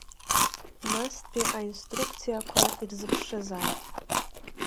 Настәи аинструкциақәа ирзыԥшызааит.